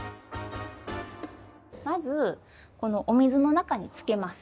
まずこのお水の中につけます。